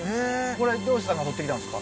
これ漁師さんがとってきたんですか？